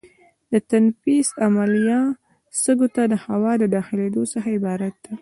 د تنفس عملیه سږو ته د هوا د داخلېدو څخه عبارت ده.